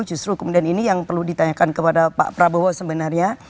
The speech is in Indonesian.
justru kemudian ini yang perlu ditanyakan kepada pak prabowo sebenarnya